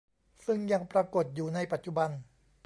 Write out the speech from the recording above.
ซึ่งยังปรากฏอยู่ในปัจจุบัน